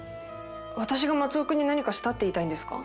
私が松尾君に何かしたって言いたいんですか？